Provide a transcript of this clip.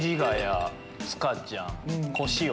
塚ちゃん。